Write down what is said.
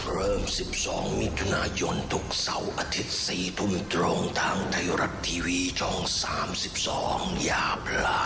เริ่ม๑๒มิถุนายนทุกเสาร์อาทิตย์๔ทุ่มตรงทางไทยรัฐทีวีช่อง๓๒อย่าพลา